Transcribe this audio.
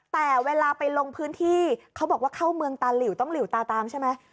แต่เวลาไปลงพื้นที่เขาบอกว่าเข้าเมืองตาหลิวต้องหลิวตาตามใช่ไหม